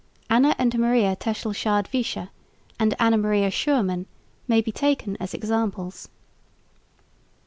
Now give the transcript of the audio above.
Anna and Maria Tesselschade Visscher, and Anna Maria Schuurman may be taken as examples.